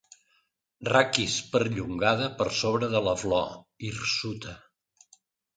Raquis perllongada per sobre de la flor, hirsuta.